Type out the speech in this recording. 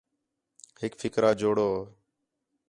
ہک فِقرا جوڑو